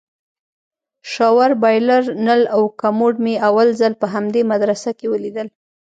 شاور بايلر نل او کموډ مې اول ځل په همدې مدرسه کښې وليدل.